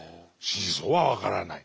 真相は分からない。